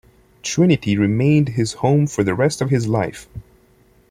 Trinity remained his home for the rest of his life.